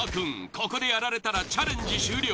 ここでやられたらチャレンジ終了。